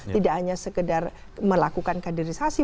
tidak hanya sekedar melakukan kaderisasi